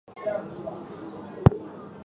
全部成员都成为了小孩。